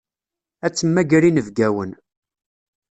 Ad temmager inebgawen.